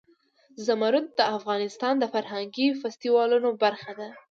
زمرد د افغانستان د فرهنګي فستیوالونو برخه ده.